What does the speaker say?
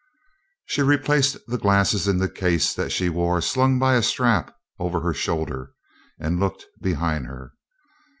She replaced the glasses in the case that she wore slung by a strap over her shoulder, and looked behind her.